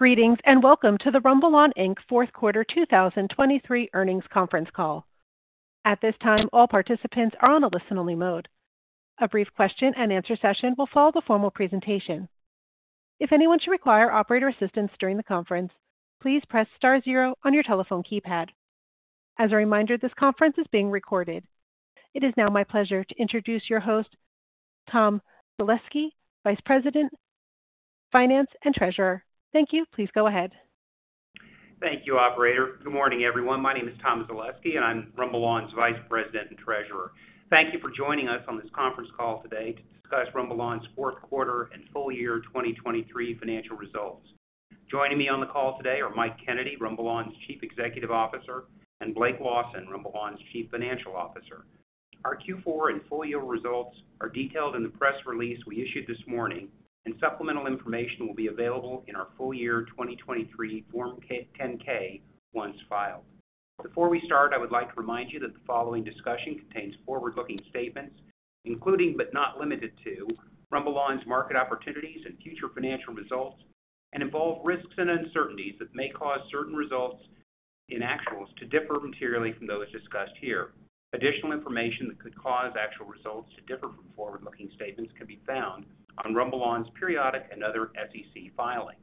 Greetings, and welcome to the RumbleOn, Inc. Fourth Quarter 2023 Earnings Conference Call. At this time, all participants are on a listen-only mode. A brief question-and-answer session will follow the formal presentation. If anyone should require operator assistance during the conference, please press star zero on your telephone keypad. As a reminder, this conference is being recorded. It is now my pleasure to introduce your host, Tom Zaleski, Vice President, Finance and Treasurer. Thank you. Please go ahead. Thank you, operator. Good morning, everyone. My name is Tom Zaleski, and I'm RumbleOn's Vice President and Treasurer. Thank you for joining us on this conference call today to discuss RumbleOn's fourth quarter and full year 2023 financial results. Joining me on the call today are Mike Kennedy, RumbleOn's Chief Executive Officer, and Blake Lawson, RumbleOn's Chief Financial Officer. Our Q4 and full year results are detailed in the press release we issued this morning, and supplemental information will be available in our full year 2023 Form 10-K, once filed. Before we start, I would like to remind you that the following discussion contains forward-looking statements, including, but not limited to, RumbleOn's market opportunities and future financial results, and involve risks and uncertainties that may cause certain results in actual results to differ materially from those discussed here. Additional information that could cause actual results to differ from forward-looking statements can be found on RumbleOn's periodic and other SEC filings.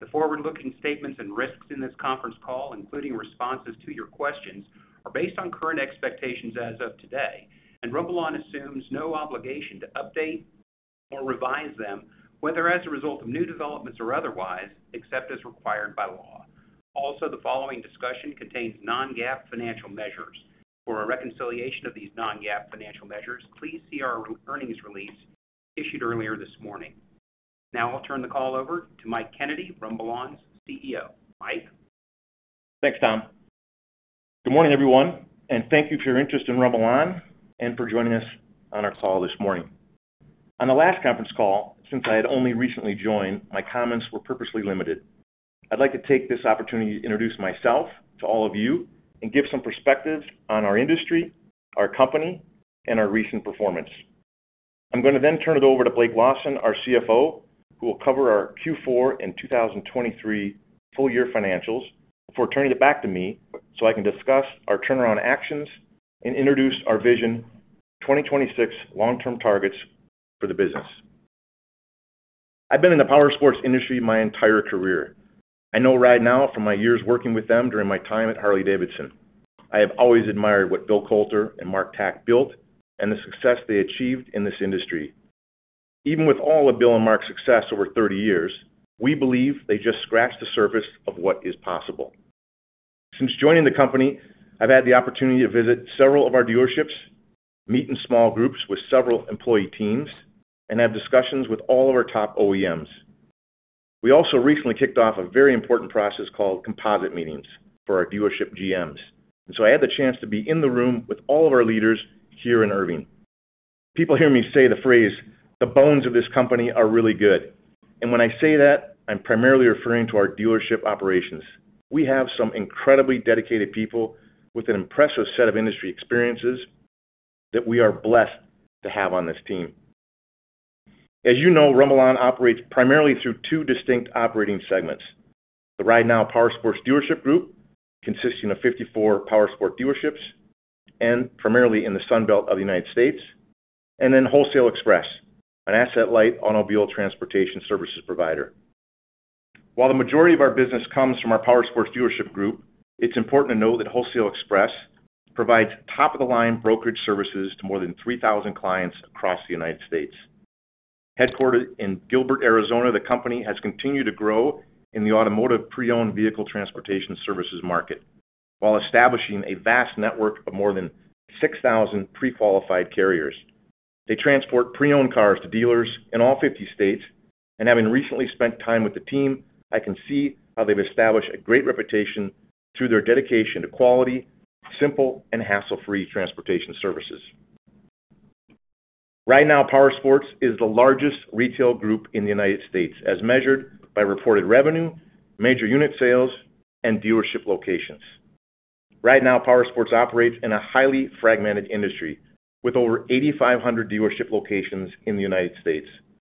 The forward-looking statements and risks in this conference call, including responses to your questions, are based on current expectations as of today, and RumbleOn assumes no obligation to update or revise them, whether as a result of new developments or otherwise, except as required by law. Also, the following discussion contains non-GAAP financial measures. For a reconciliation of these non-GAAP financial measures, please see our earnings release issued earlier this morning. Now I'll turn the call over to Mike Kennedy, RumbleOn's CEO. Mike? Thanks, Tom. Good morning, everyone, and thank you for your interest in RumbleOn and for joining us on our call this morning. On the last conference call, since I had only recently joined, my comments were purposely limited. I'd like to take this opportunity to introduce myself to all of you and give some perspective on our industry, our company, and our recent performance. I'm going to then turn it over to Blake Lawson, our CFO, who will cover our Q4 and 2023 full year financials, before turning it back to me, so I can discuss our turnaround actions and introduce our Vision 2026 long-term targets for the business. I've been in the powersports industry my entire career. I know RideNow from my years working with them during my time at Harley-Davidson. I have always admired what Bill Coulter and Mark Tkach built and the success they achieved in this industry. Even with all of Bill and Mark's success over 30 years, we believe they just scratched the surface of what is possible. Since joining the company, I've had the opportunity to visit several of our dealerships, meet in small groups with several employee teams, and have discussions with all of our top OEMs. We also recently kicked off a very important process called Composite Meetings for our dealership GMs, and so I had the chance to be in the room with all of our leaders here in Irving. People hear me say the phrase, "The bones of this company are really good," and when I say that, I'm primarily referring to our dealership operations. We have some incredibly dedicated people with an impressive set of industry experiences that we are blessed to have on this team. As you know, RumbleOn operates primarily through two distinct operating segments. The RideNow Powersports Dealership Group, consisting of 54 powersports dealerships, and primarily in the Sun Belt of the United States, and then Wholesale Express, an asset-light automobile transportation services provider. While the majority of our business comes from our Powersports Dealership Group, it's important to note that Wholesale Express provides top-of-the-line brokerage services to more than 3,000 clients across the United States. Headquartered in Gilbert, Arizona, the company has continued to grow in the automotive pre-owned vehicle transportation services market, while establishing a vast network of more than 6,000 pre-qualified carriers. They transport pre-owned cars to dealers in all 50 states, and having recently spent time with the team, I can see how they've established a great reputation through their dedication to quality, simple, and hassle-free transportation services. RideNow Powersports is the largest retail group in the United States, as measured by reported revenue, major unit sales, and dealership locations. RideNow Powersports operates in a highly fragmented industry with over 8,500 dealership locations in the United States,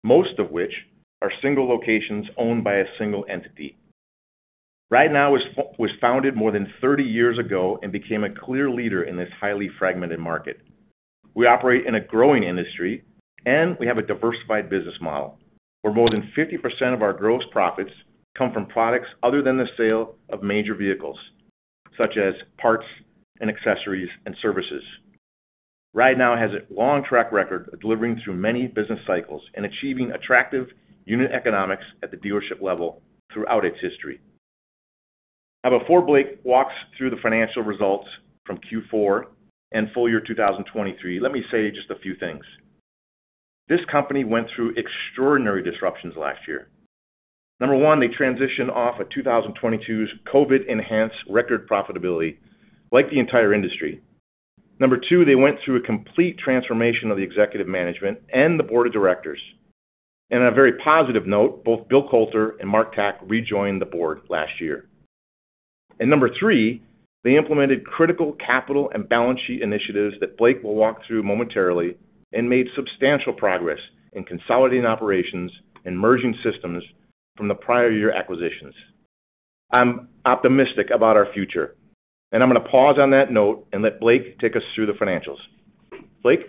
most of which are single locations owned by a single entity. RideNow was founded more than 30 years ago and became a clear leader in this highly fragmented market. We operate in a growing industry, and we have a diversified business model, where more than 50% of our gross profits come from products other than the sale of major vehicles, such as parts and accessories and services. RideNow has a long track record of delivering through many business cycles and achieving attractive unit economics at the dealership level throughout its history. Now, before Blake walks through the financial results from Q4 and full year 2023, let me say just a few things. This company went through extraordinary disruptions last year. Number one, they transitioned off of 2022's COVID-enhanced record profitability, like the entire industry. Number two, they went through a complete transformation of the executive management and the board of directors. And on a very positive note, both Bill Coulter and Mark Tkach rejoined the board last year. And number three, they implemented critical capital and balance sheet initiatives that Blake will walk through momentarily, and made substantial progress in consolidating operations and merging systems from the prior year acquisitions. I'm optimistic about our future, and I'm gonna pause on that note and let Blake take us through the financials. Blake?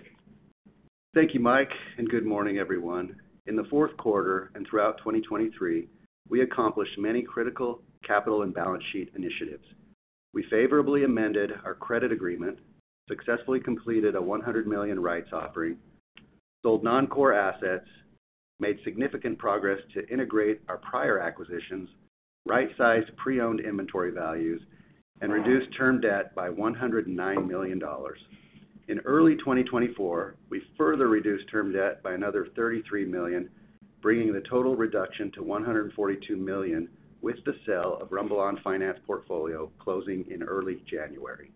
Thank you, Mike, and good morning, everyone. In the fourth quarter and throughout 2023, we accomplished many critical capital and balance sheet initiatives. We favorably amended our credit agreement, successfully completed a $100 million rights offering, sold non-core assets, made significant progress to integrate our prior acquisitions, right-sized pre-owned inventory values, and reduced term debt by $109 million. In early 2024, we further reduced term debt by another $33 million, bringing the total reduction to $142 million with the sale of RumbleOn Finance portfolio closing in early January.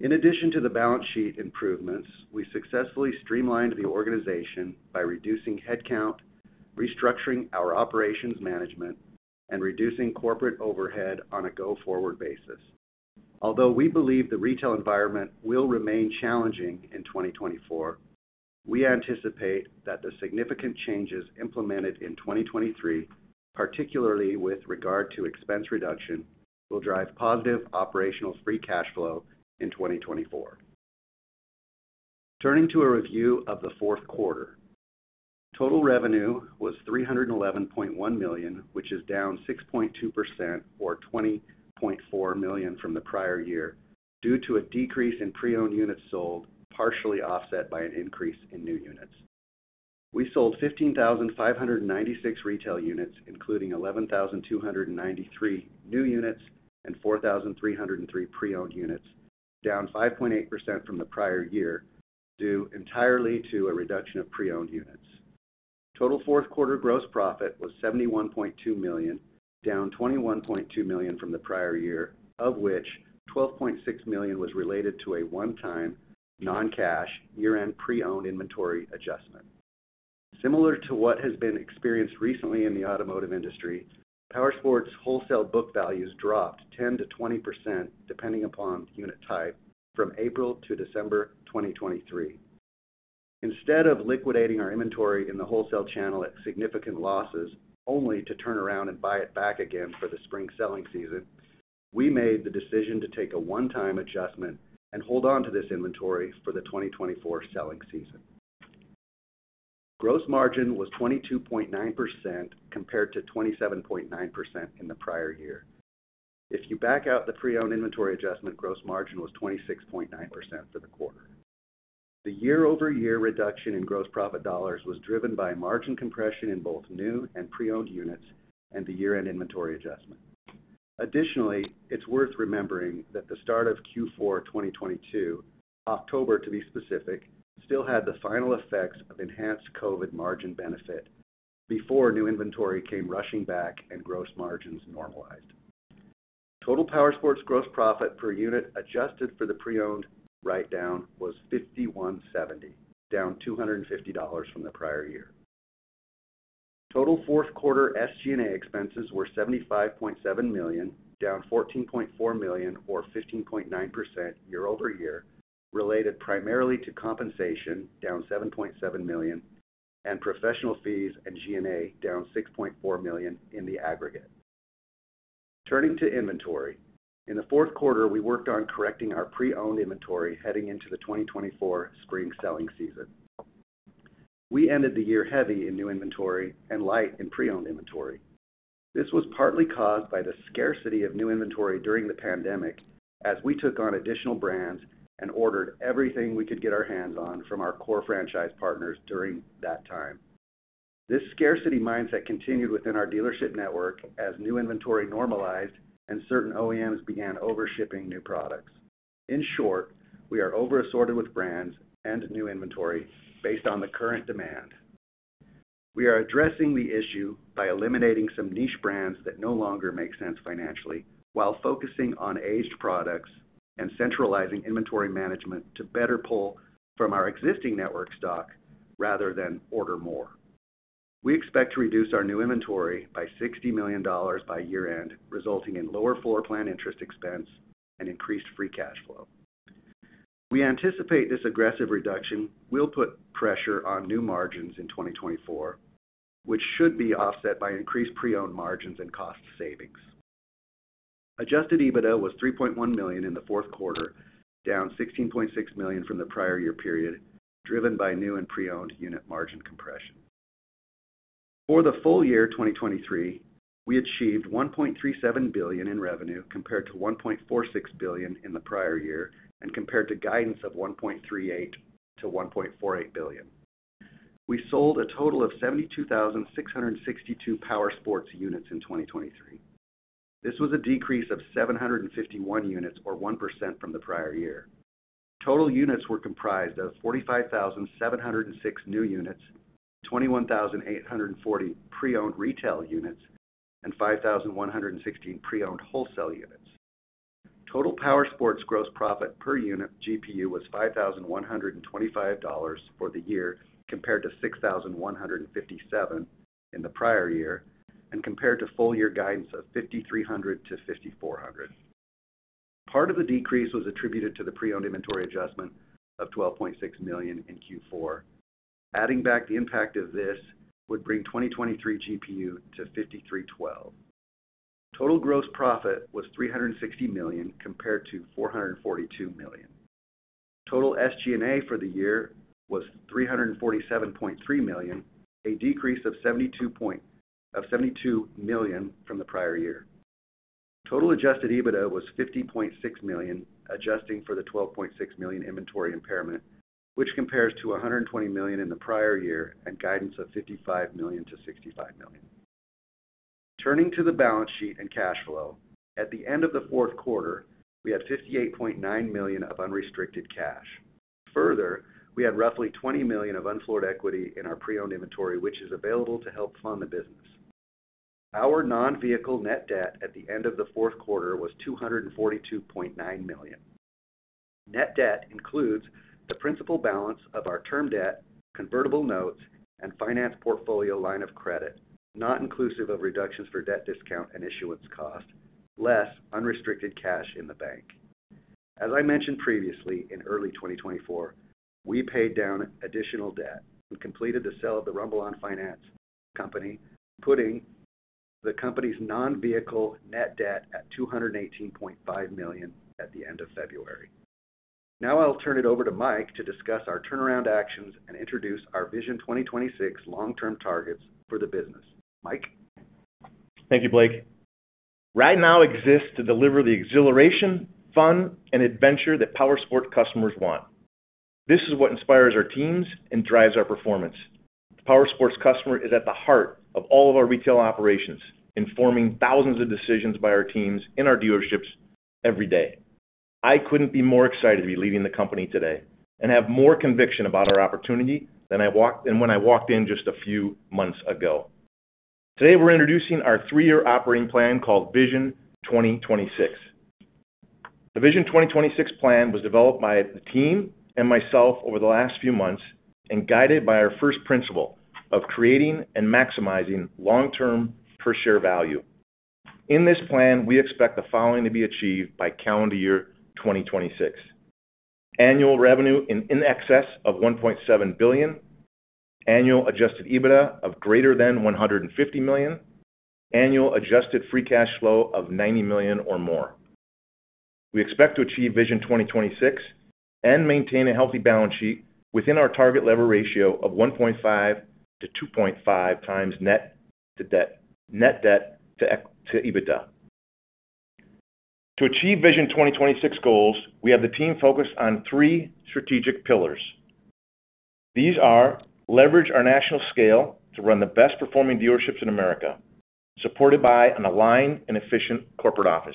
In addition to the balance sheet improvements, we successfully streamlined the organization by reducing headcount, restructuring our operations management, and reducing corporate overhead on a go-forward basis. Although we believe the retail environment will remain challenging in 2024, we anticipate that the significant changes implemented in 2023, particularly with regard to expense reduction, will drive positive operational free cash flow in 2024. Turning to a review of the fourth quarter. Total revenue was $311.1 million, which is down 6.2% or $20.4 million from the prior year, due to a decrease in pre-owned units sold, partially offset by an increase in new units. We sold 15,596 retail units, including 11,293 new units and 4,303 pre-owned units, down 5.8% from the prior year, due entirely to a reduction of pre-owned units. Total fourth quarter gross profit was $71.2 million, down $21.2 million from the prior year, of which $12.6 million was related to a one-time, non-cash, year-end pre-owned inventory adjustment. Similar to what has been experienced recently in the automotive industry, Powersports' wholesale book values dropped 10%-20%, depending upon unit type, from April to December 2023. Instead of liquidating our inventory in the wholesale channel at significant losses, only to turn around and buy it back again for the spring selling season, we made the decision to take a one-time adjustment and hold on to this inventory for the 2024 selling season. Gross margin was 22.9%, compared to 27.9% in the prior year. If you back out the pre-owned inventory adjustment, gross margin was 26.9% for the quarter. The year-over-year reduction in gross profit dollars was driven by margin compression in both new and pre-owned units and the year-end inventory adjustment. Additionally, it's worth remembering that the start of Q4 2022, October, to be specific, still had the final effects of enhanced COVID margin benefit before new inventory came rushing back and gross margins normalized. Total Powersports gross profit per unit, adjusted for the pre-owned write-down, was $5,170, down $250 from the prior year. Total fourth quarter SG&A expenses were $75.7 million, down $14.4 million, or 15.9% year-over-year, related primarily to compensation, down $7.7 million, and professional fees and G&A, down $6.4 million in the aggregate. Turning to inventory. In the fourth quarter, we worked on correcting our pre-owned inventory heading into the 2024 spring selling season. We ended the year heavy in new inventory and light in pre-owned inventory. This was partly caused by the scarcity of new inventory during the pandemic, as we took on additional brands and ordered everything we could get our hands on from our core franchise partners during that time. This scarcity mindset continued within our dealership network as new inventory normalized and certain OEMs began overshipping new products. In short, we are over-assorted with brands and new inventory based on the current demand. We are addressing the issue by eliminating some niche brands that no longer make sense financially, while focusing on aged products and centralizing inventory management to better pull from our existing network stock rather than order more. We expect to reduce our new inventory by $60 million by year-end, resulting in lower Floor Plan Interest Expense and increased free cash flow. We anticipate this aggressive reduction will put pressure on new margins in 2024, which should be offset by increased pre-owned margins and cost savings. Adjusted EBITDA was $3.1 million in the fourth quarter, down $16.6 million from the prior year period, driven by new and pre-owned unit margin compression. For the full year 2023, we achieved $1.37 billion in revenue, compared to $1.46 billion in the prior year, and compared to guidance of $1.38 billion-$1.48 billion. We sold a total of 72,662 Powersports units in 2023. This was a decrease of 751 units, or 1% from the prior year. Total units were comprised of 45,756 new units, 21,840 pre-owned retail units, and 5,116 pre-owned wholesale units. Total powersports gross profit per unit GPU was $5,125 for the year, compared to $6,157 in the prior year, and compared to full year guidance of $5,300-$5,400. Part of the decrease was attributed to the pre-owned inventory adjustment of $12.6 million in Q4. Adding back the impact of this would bring 2023 GPU to $5,312. Total gross profit was $360 million compared to $442 million. Total SG&A for the year was $347.3 million, a decrease of $72 million from the prior year. Total adjusted EBITDA was $50.6 million, adjusting for the $12.6 million inventory impairment, which compares to $120 million in the prior year and guidance of $55 million-$65 million. Turning to the balance sheet and cash flow. At the end of the fourth quarter, we had $58.9 million of unrestricted cash. Further, we had roughly $20 million of unfloored equity in our pre-owned inventory, which is available to help fund the business. Our non-vehicle net debt at the end of the fourth quarter was $242.9 million. Net debt includes the principal balance of our term debt, convertible notes, and finance portfolio line of credit, not inclusive of reductions for debt discount and issuance cost, less unrestricted cash in the bank. As I mentioned previously, in early 2024, we paid down additional debt and completed the sale of the RumbleOn Finance company, putting the company's non-vehicle net debt at $218.5 million at the end of February. Now I'll turn it over to Mike to discuss our turnaround actions and introduce our Vision 2026 long-term targets for the business. Mike? Thank you, Blake. RideNow exists to deliver the exhilaration, fun, and adventure that powersports customers want. This is what inspires our teams and drives our performance. Powersports customer is at the heart of all of our retail operations, informing thousands of decisions by our teams in our dealerships every day. I couldn't be more excited to be leading the company today and have more conviction about our opportunity than when I walked in just a few months ago. Today, we're introducing our three-year operating plan called Vision 2026. The Vision 2026 plan was developed by the team and myself over the last few months and guided by our first principle of creating and maximizing long-term per-share value. In this plan, we expect the following to be achieved by calendar year 2026: annual revenue in excess of $1.7 billion, annual adjusted EBITDA of greater than $150 million, annual adjusted free cash flow of $90 million or more. We expect to achieve Vision 2026 and maintain a healthy balance sheet within our target leverage ratio of 1.5-2.5x net debt to EBITDA. To achieve Vision 2026 goals, we have the team focused on three strategic pillars. These are: leverage our national scale to run the best-performing dealerships in America, supported by an aligned and efficient corporate office.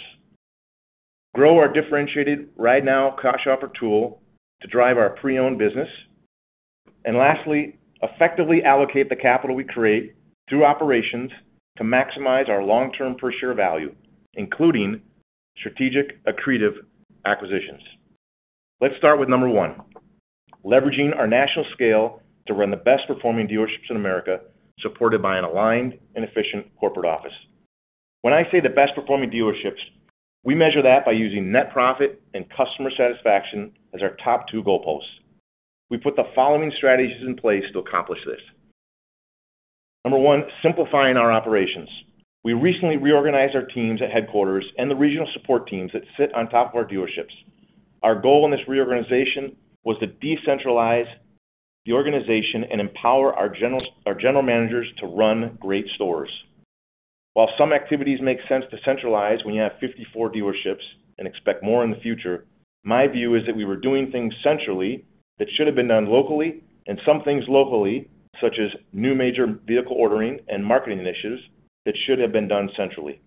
Grow our differentiated RideNow Cash Offer tool to drive our pre-owned business. And lastly, effectively allocate the capital we create through operations to maximize our long-term per-share value, including strategic accretive acquisitions. Let's start with number one, leveraging our national scale to run the best-performing dealerships in America, supported by an aligned and efficient corporate office. When I say the best-performing dealerships, we measure that by using net profit and customer satisfaction as our top two goalposts. We put the following strategies in place to accomplish this. Number one, simplifying our operations. We recently reorganized our teams at headquarters and the regional support teams that sit on top of our dealerships. Our goal in this reorganization was to decentralize the organization and empower our general managers to run great stores. While some activities make sense to centralize when you have 54 dealerships and expect more in the future, my view is that we were doing things centrally that should have been done locally, and some things locally, such as new major vehicle ordering and marketing initiatives, that should have been done centrally.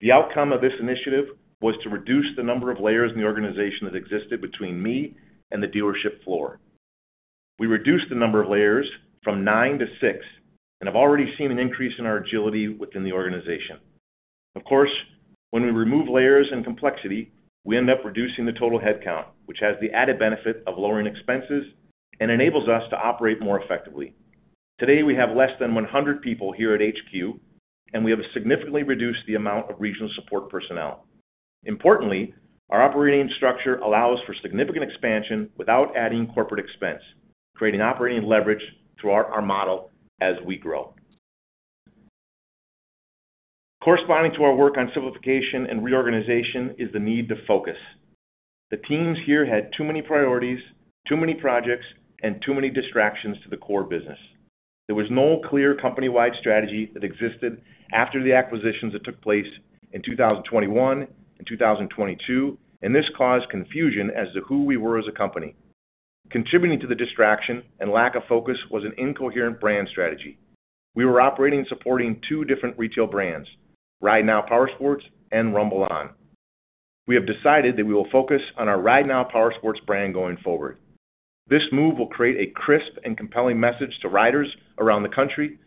The outcome of this initiative was to reduce the number of layers in the organization that existed between me and the dealership floor. We reduced the number of layers from nine to six and have already seen an increase in our agility within the organization. Of course, when we remove layers and complexity, we end up reducing the total headcount, which has the added benefit of lowering expenses and enables us to operate more effectively. Today, we have less than 100 people here at HQ, and we have significantly reduced the amount of regional support personnel. Importantly, our operating structure allows for significant expansion without adding corporate expense, creating operating leverage throughout our model as we grow. Corresponding to our work on simplification and reorganization is the need to focus. The teams here had too many priorities, too many projects, and too many distractions to the core business. There was no clear company-wide strategy that existed after the acquisitions that took place in 2021 and 2022, and this caused confusion as to who we were as a company. Contributing to the distraction and lack of focus was an incoherent brand strategy. We were operating and supporting two different retail brands, RideNow Powersports and RumbleOn. We have decided that we will focus on our RideNow Powersports brand going forward.... This move will create a crisp and compelling message to riders around the country.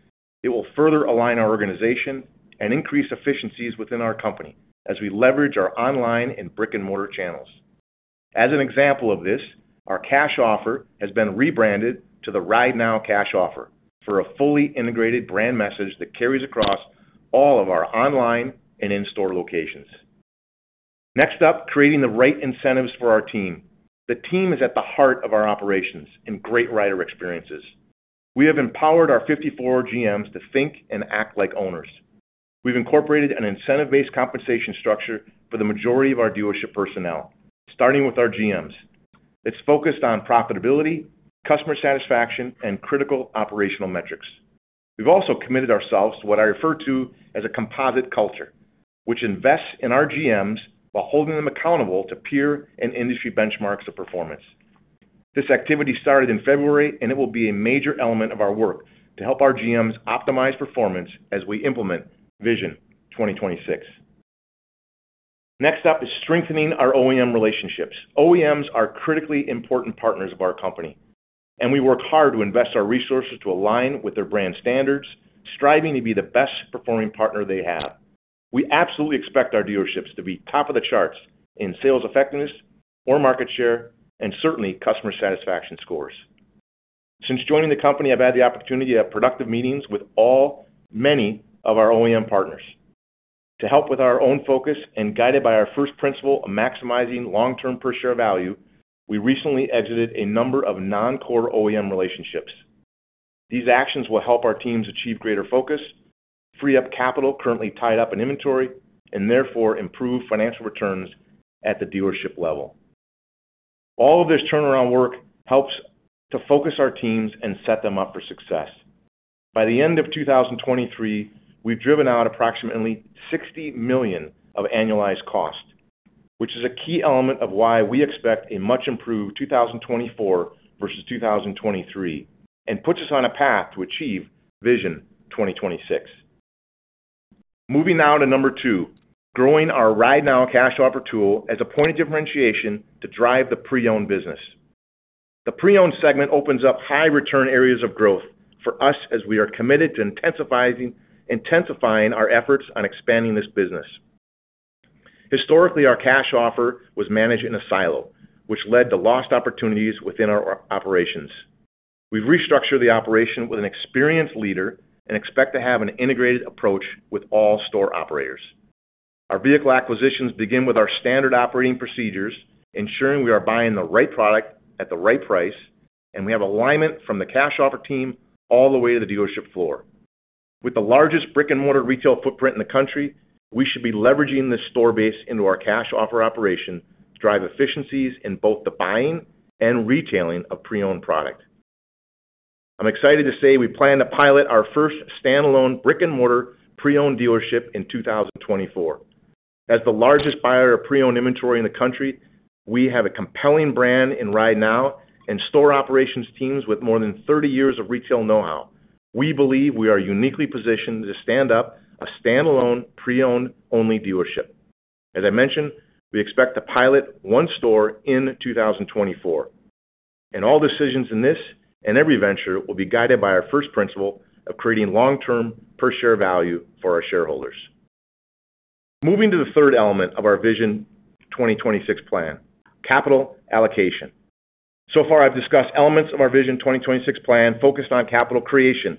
It will further align our organization and increase efficiencies within our company as we leverage our online and brick-and-mortar channels. As an example of this, our cash offer has been rebranded to the RideNow Cash Offer for a fully integrated brand message that carries across all of our online and in-store locations. Next up, creating the right incentives for our team. The team is at the heart of our operations and great rider experiences. We have empowered our 54 GMs to think and act like owners. We've incorporated an incentive-based compensation structure for the majority of our dealership personnel, starting with our GMs. It's focused on profitability, customer satisfaction, and critical operational metrics. We've also committed ourselves to what I refer to as a composite culture, which invests in our GMs while holding them accountable to peer and industry benchmarks of performance. This activity started in February, and it will be a major element of our work to help our GMs optimize performance as we implement Vision 2026. Next up is strengthening our OEM relationships. OEMs are critically important partners of our company, and we work hard to invest our resources to align with their brand standards, striving to be the best-performing partner they have. We absolutely expect our dealerships to be top of the charts in sales effectiveness or market share and certainly customer satisfaction scores. Since joining the company, I've had the opportunity to have productive meetings with many of our OEM partners. To help with our own focus and guided by our first principle of maximizing long-term per share value, we recently exited a number of non-core OEM relationships. These actions will help our teams achieve greater focus, free up capital currently tied up in inventory, and therefore improve financial returns at the dealership level. All of this turnaround work helps to focus our teams and set them up for success. By the end of 2023, we've driven out approximately $60 million of annualized cost, which is a key element of why we expect a much improved 2024 versus 2023 and puts us on a path to achieve Vision 2026. Moving now to number two, growing our RideNow Cash Offer tool as a point of differentiation to drive the pre-owned business. The pre-owned segment opens up high return areas of growth for us as we are committed to intensifying, intensifying our efforts on expanding this business. Historically, our cash offer was managed in a silo, which led to lost opportunities within our operations. We've restructured the operation with an experienced leader and expect to have an integrated approach with all store operators. Our vehicle acquisitions begin with our standard operating procedures, ensuring we are buying the right product at the right price, and we have alignment from the cash offer team all the way to the dealership floor. With the largest brick-and-mortar retail footprint in the country, we should be leveraging this store base into our cash offer operation to drive efficiencies in both the buying and retailing of pre-owned product. I'm excited to say we plan to pilot our first standalone brick-and-mortar pre-owned dealership in 2024. As the largest buyer of pre-owned inventory in the country, we have a compelling brand in RideNow and store operations teams with more than 30 years of retail know-how. We believe we are uniquely positioned to stand up a standalone, pre-owned only dealership. As I mentioned, we expect to pilot one store in 2024, and all decisions in this and every venture will be guided by our first principle of creating long-term per share value for our shareholders. Moving to the third element of our Vision 2026 plan, capital allocation. So far, I've discussed elements of our Vision 2026 plan focused on capital creation.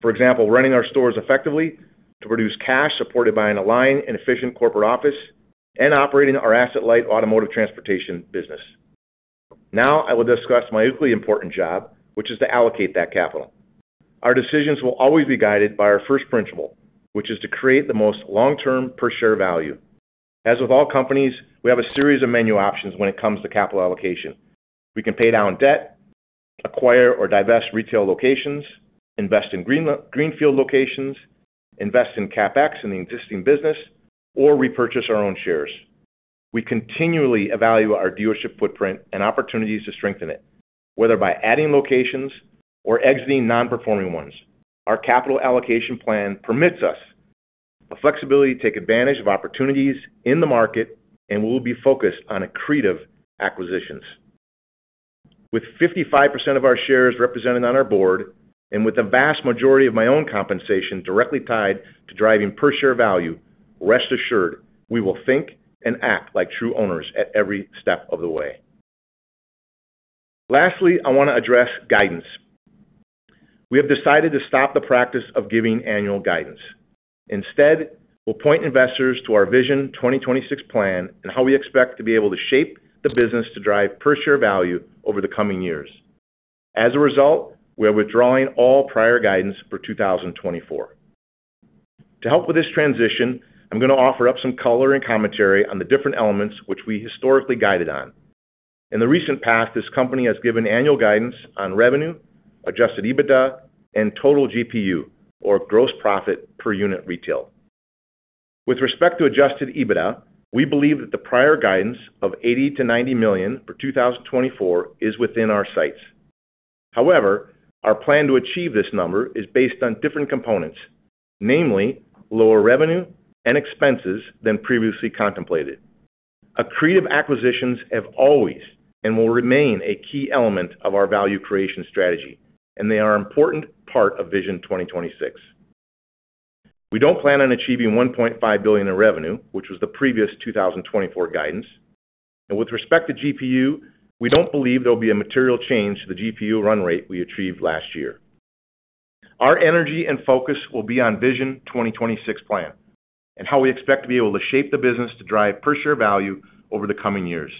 For example, running our stores effectively to produce cash, supported by an aligned and efficient corporate office, and operating our asset-light automotive transportation business. Now, I will discuss my equally important job, which is to allocate that capital. Our decisions will always be guided by our first principle, which is to create the most long-term per share value. As with all companies, we have a series of menu options when it comes to capital allocation. We can pay down debt, acquire or divest retail locations, invest in greenfield locations, invest in CapEx in the existing business, or repurchase our own shares. We continually evaluate our dealership footprint and opportunities to strengthen it, whether by adding locations or exiting non-performing ones. Our capital allocation plan permits us the flexibility to take advantage of opportunities in the market and we'll be focused on accretive acquisitions. With 55% of our shares represented on our board, and with the vast majority of my own compensation directly tied to driving per share value, rest assured, we will think and act like true owners at every step of the way. Lastly, I want to address guidance. We have decided to stop the practice of giving annual guidance. Instead, we'll point investors to our Vision 2026 plan and how we expect to be able to shape the business to drive per share value over the coming years. As a result, we are withdrawing all prior guidance for 2024. To help with this transition, I'm going to offer up some color and commentary on the different elements which we historically guided on. In the recent past, this company has given annual guidance on revenue, adjusted EBITDA, and total GPU or gross profit per unit retail. With respect to Adjusted EBITDA, we believe that the prior guidance of $80 million-$90 million for 2024 is within our sights.... However, our plan to achieve this number is based on different components, namely lower revenue and expenses than previously contemplated. Accretive acquisitions have always and will remain a key element of our value creation strategy, and they are important part of Vision 2026. We don't plan on achieving $1.5 billion in revenue, which was the previous 2024 guidance. With respect to GPU, we don't believe there'll be a material change to the GPU run rate we achieved last year. Our energy and focus will be on Vision 2026 plan, and how we expect to be able to shape the business to drive per share value over the coming years.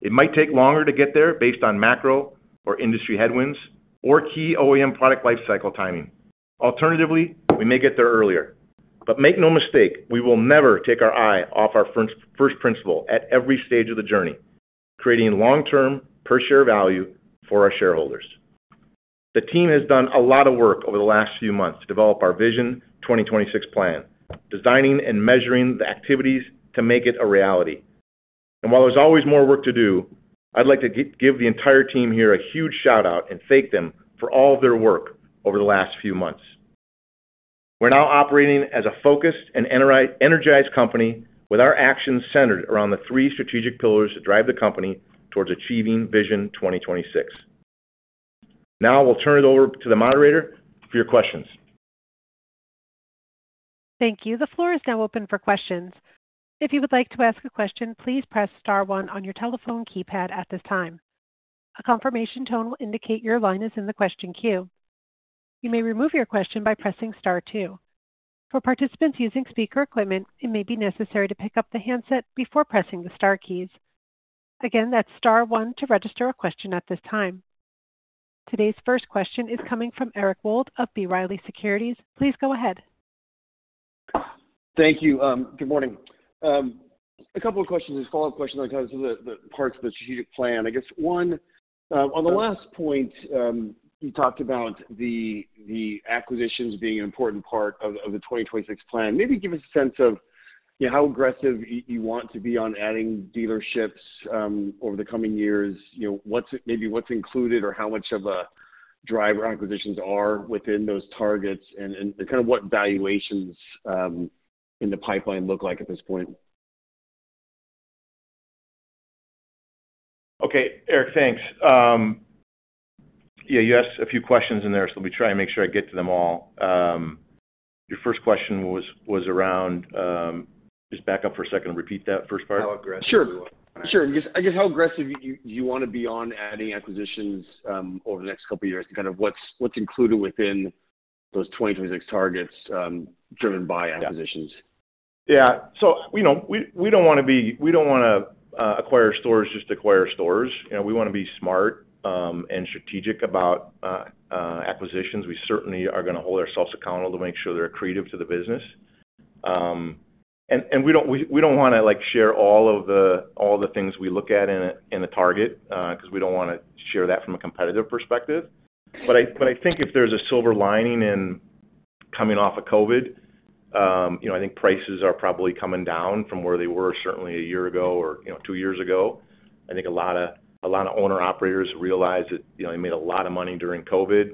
It might take longer to get there based on macro or industry headwinds or key OEM product lifecycle timing. Alternatively, we may get there earlier. But make no mistake, we will never take our eye off our first principle at every stage of the journey, creating long-term per share value for our shareholders. The team has done a lot of work over the last few months to develop our Vision 2026 plan, designing and measuring the activities to make it a reality. And while there's always more work to do, I'd like to give the entire team here a huge shout-out and thank them for all of their work over the last few months. We're now operating as a focused and energized company, with our actions centered around the three strategic pillars to drive the company towards achieving Vision 2026. Now I will turn it over to the moderator for your questions. Thank you. The floor is now open for questions. If you would like to ask a question, please press star one on your telephone keypad at this time. A confirmation tone will indicate your line is in the question queue. You may remove your question by pressing star two. For participants using speaker equipment, it may be necessary to pick up the handset before pressing the star keys. Again, that's star one to register a question at this time. Today's first question is coming from Eric Wold of B. Riley Securities. Please go ahead. Thank you. Good morning. A couple of questions and follow-up questions on kind of the parts of the strategic plan. I guess, one, on the last point, you talked about the acquisitions being an important part of the 2026 plan. Maybe give us a sense of, you know, how aggressive you want to be on adding dealerships over the coming years. You know, what's maybe what's included or how much of a driver acquisitions are within those targets, and kind of what valuations in the pipeline look like at this point? Okay, Eric, thanks. Yeah, you asked a few questions in there, so let me try and make sure I get to them all. Your first question was around... Just back up for a second and repeat that first part. How aggressive you are- Sure. Sure. I guess, how aggressive you wanna be on adding acquisitions over the next couple of years, to kind of what's included within those 2026 targets, driven by acquisitions? Yeah. So, you know, we, we don't wanna be-- we don't wanna acquire stores, just acquire stores. You know, we wanna be smart and strategic about acquisitions. We certainly are gonna hold ourselves accountable to make sure they're accretive to the business. And we don't, we, we don't wanna, like, share all of the- all the things we look at in a target because we don't wanna share that from a competitive perspective. But I think if there's a silver lining in coming off of COVID, you know, I think prices are probably coming down from where they were certainly a year ago or, you know, two years ago. I think a lot of owner-operators realized that, you know, they made a lot of money during COVID,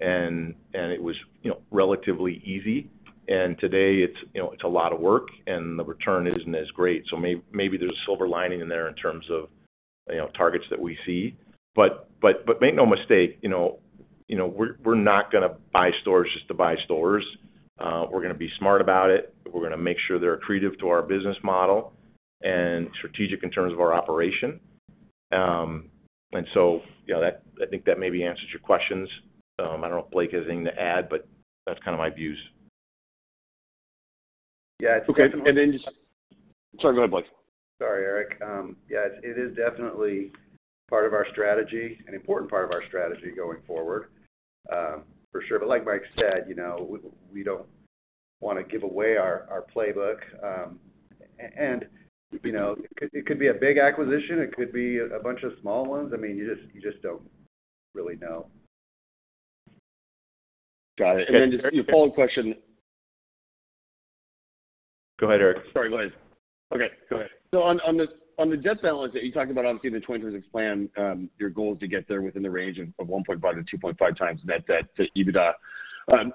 and it was, you know, relatively easy. Today, it's, you know, it's a lot of work, and the return isn't as great. So maybe there's a silver lining in there in terms of, you know, targets that we see. But make no mistake, you know, you know, we're not gonna buy stores just to buy stores. We're gonna be smart about it. We're gonna make sure they're accretive to our business model and strategic in terms of our operation. And so, you know, that I think that maybe answers your questions. I don't know if Blake has anything to add, but that's kind of my views. Yeah- Okay, and then just... Sorry, go ahead, Blake. Sorry, Eric. Yeah, it is definitely part of our strategy, an important part of our strategy going forward, for sure. But like Mike said, you know, we don't wanna give away our playbook. And, you know, it could be a big acquisition, it could be a bunch of small ones. I mean, you just don't really know. Got it. And- Just a follow-up question. Go ahead, Eric. Sorry, go ahead. Okay, go ahead. So on the debt balance that you talked about, obviously, the 2026 plan, your goal is to get there within the range of 1.5-2.5x net debt to EBITDA.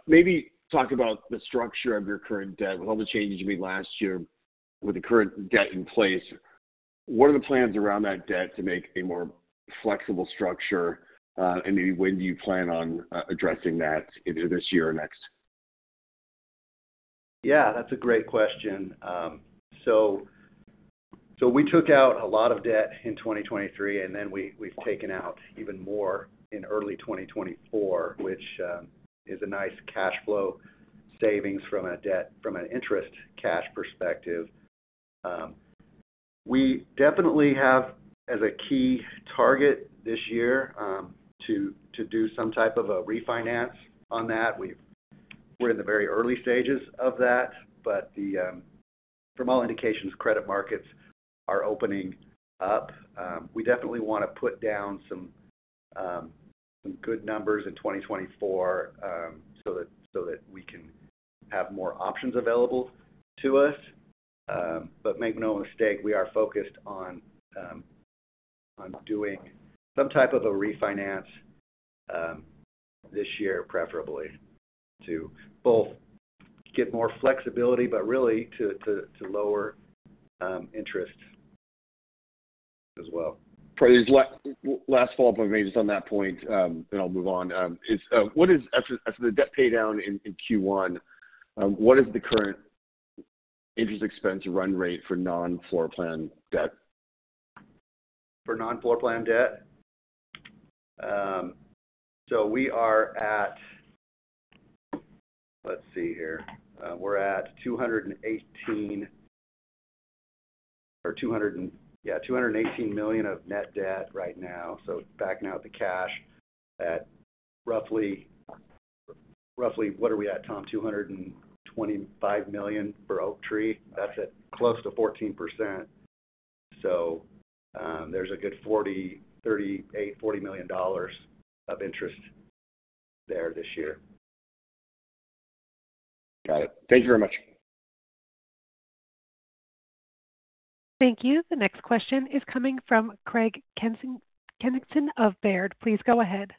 Maybe talk about the structure of your current debt. With all the changes you made last year with the current debt in place, what are the plans around that debt to make a more flexible structure? And maybe when do you plan on addressing that, either this year or next? Yeah, that's a great question. So we took out a lot of debt in 2023, and then we've taken out even more in early 2024, which is a nice cash flow savings from an interest cash perspective. We definitely have, as a key target this year, to do some type of a refinance on that. We're in the very early stages of that, but from all indications, credit markets are opening up. We definitely wanna put down some good numbers in 2024, so that we can-... have more options available to us. But make no mistake, we are focused on doing some type of a refinance this year, preferably, to both get more flexibility, but really to lower interest as well. Probably just last follow-up, maybe just on that point, then I'll move on. After the debt pay down in Q1, what is the current interest expense run rate for non-floor plan debt? For non-floor plan debt? So we are at... Let's see here. We're at $218 million or $218 million of net debt right now. So backing out the cash at roughly, roughly, what are we at, Tom? $225 million for Oaktree. That's at close to 14%. So, there's a good $40 million, $38 million, $40 million of interest there this year. Got it. Thank you very much. Thank you. The next question is coming from Craig Kennison of Baird. Please go ahead.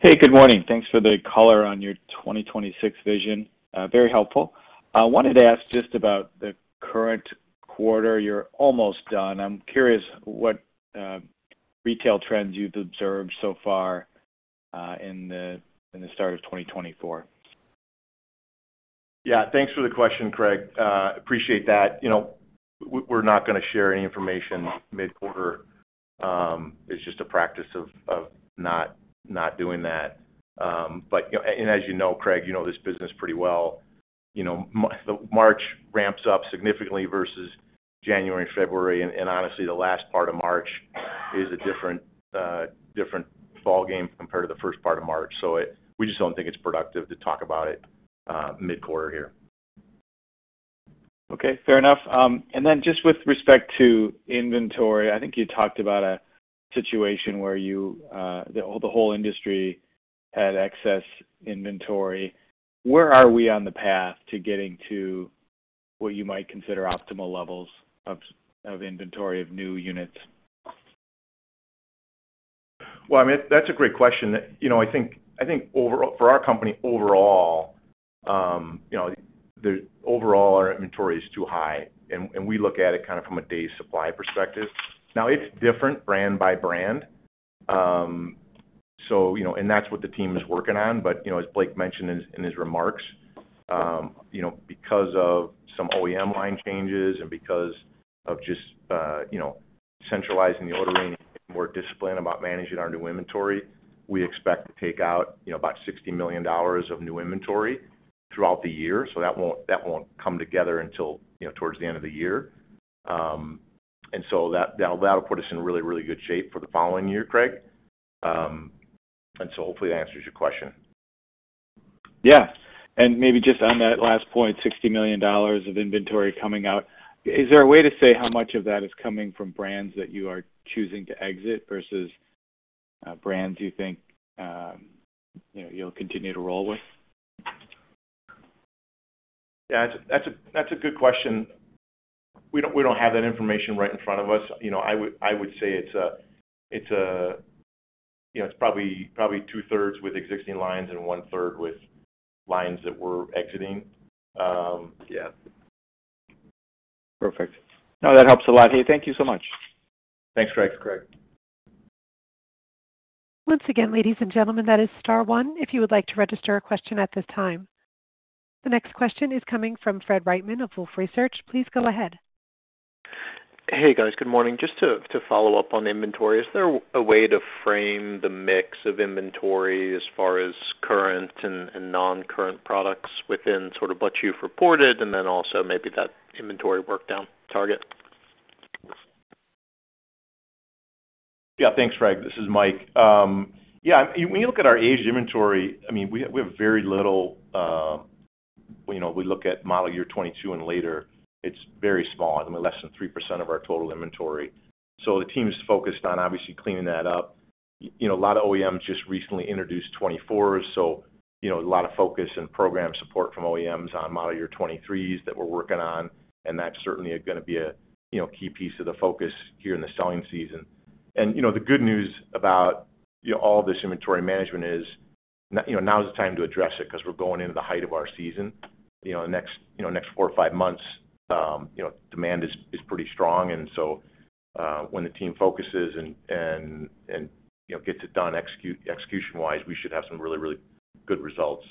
Hey, good morning. Thanks for the color on your 2026 vision. Very helpful. I wanted to ask just about the current quarter. You're almost done. I'm curious what retail trends you've observed so far in the start of 2024. Yeah, thanks for the question, Craig. Appreciate that. You know, we, we're not gonna share any information mid-quarter. It's just a practice of not doing that. But, you know, and as you know, Craig, you know this business pretty well, you know, the March ramps up significantly versus January and February, and honestly, the last part of March is a different ballgame compared to the first part of March. So we just don't think it's productive to talk about it mid-quarter here. Okay, fair enough. And then just with respect to inventory, I think you talked about a situation where you, the whole industry had excess inventory. Where are we on the path to getting to what you might consider optimal levels of inventory of new units? Well, I mean, that's a great question. You know, I think, I think overall, for our company overall, you know, the overall, our inventory is too high, and, and we look at it kind of from a day supply perspective. Now, it's different brand by brand. So, you know, and that's what the team is working on. But, you know, as Blake mentioned in his, in his remarks, you know, because of some OEM line changes and because of just, you know, centralizing the ordering, more disciplined about managing our new inventory, we expect to take out, you know, about $60 million of new inventory throughout the year. So that won't, that won't come together until, you know, towards the end of the year. And so that, that'll put us in really, really good shape for the following year, Craig. And so hopefully, that answers your question. Yeah. And maybe just on that last point, $60 million of inventory coming out, is there a way to say how much of that is coming from brands that you are choosing to exit versus brands you think, you know, you'll continue to roll with? Yeah, that's a good question. We don't have that information right in front of us. You know, I would say it's probably two-thirds with existing lines and one-third with lines that we're exiting. Yeah. Perfect. No, that helps a lot. Hey, thank you so much. Thanks, Craig. Thanks, Craig. Once again, ladies and gentlemen, that is star one, if you would like to register a question at this time. The next question is coming from Fred Wightman of Wolfe Research. Please go ahead. Hey, guys. Good morning. Just to follow up on inventory, is there a way to frame the mix of inventory as far as current and non-current products within sort of what you've reported, and then also maybe that inventory work down target? Yeah, thanks, Fred. This is Mike. Yeah, when you look at our aged inventory, I mean, we have, we have very little... You know, we look at model year 2022 and later, it's very small, I mean, less than 3% of our total inventory. So the team is focused on obviously cleaning that up. You know, a lot of OEMs just recently introduced 2024s, so, you know, a lot of focus and program support from OEMs on model year 2023s that we're working on, and that's certainly gonna be a, you know, key piece of the focus here in the selling season. And, you know, the good news about, you know, all this inventory management is, you know, now is the time to address it, 'cause we're going into the height of our season. You know, the next, you know, next four or five months, you know, demand is pretty strong, and so, when the team focuses and you know, gets it done, execution-wise, we should have some really, really good results.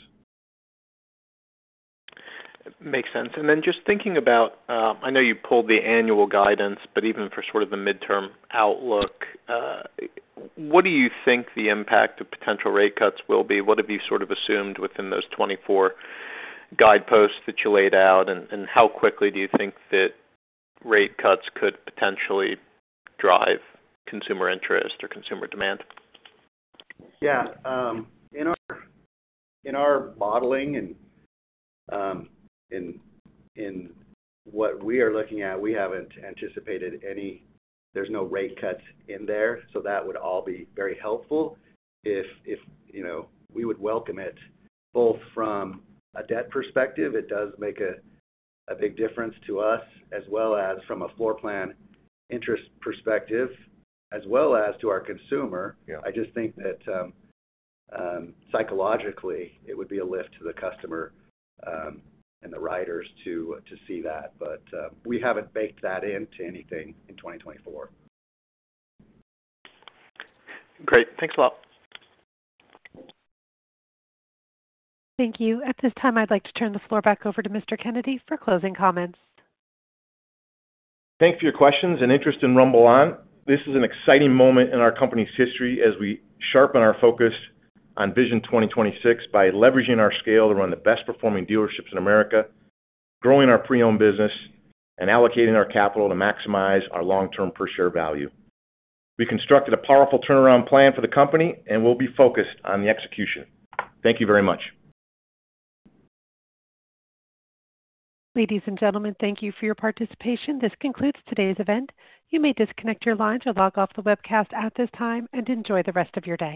Makes sense. And then just thinking about, I know you pulled the annual guidance, but even for sort of the midterm outlook, what do you think the impact of potential rate cuts will be? What have you sort of assumed within those 2024 guideposts that you laid out, and, and how quickly do you think that rate cuts could potentially drive consumer interest or consumer demand? Yeah, in our modeling and, in what we are looking at, we haven't anticipated any—there's no rate cuts in there, so that would all be very helpful. If, you know, we would welcome it, both from a debt perspective, it does make a big difference to us, as well as from a floor plan interest perspective, as well as to our consumer. Yeah. I just think that, psychologically, it would be a lift to the customer, and the riders to see that. But, we haven't baked that into anything in 2024. Great. Thanks a lot. Thank you. At this time, I'd like to turn the floor back over to Mr. Kennedy for closing comments. Thank you for your questions and interest in RumbleOn. This is an exciting moment in our company's history as we sharpen our focus on Vision 2026 by leveraging our scale to run the best-performing dealerships in America, growing our pre-owned business, and allocating our capital to maximize our long-term per share value. We constructed a powerful turnaround plan for the company, and we'll be focused on the execution. Thank you very much. Ladies and gentlemen, thank you for your participation. This concludes today's event. You may disconnect your line or log off the webcast at this time, and enjoy the rest of your day.